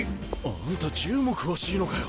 あんた銃も詳しいのかよ。